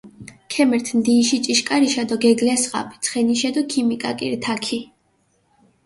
ქემერთჷ ნდიიში ჭიშქარიშა დო გეგლასხაპჷ ცხენიშე დო ქიმიკაკირჷ თაქი.